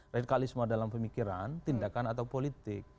radikalisme dalam pemikiran tindakan atau politik